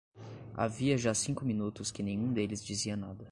Havia já cinco minutos que nenhum deles dizia nada.